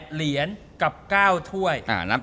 เหรียญกับ๙ถ้วย